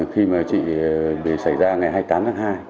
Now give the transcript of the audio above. khi chị bị xảy ra ngày hai mươi tám tháng hai